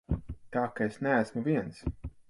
Tā ka es neesmu viens.